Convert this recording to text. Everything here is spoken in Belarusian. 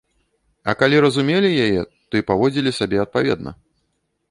А калі разумелі яе, то і паводзілі сябе адпаведна.